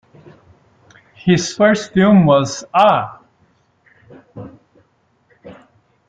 His first film was Ah!